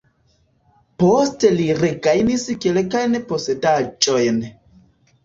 Poste li regajnis kelkajn posedaĵojn.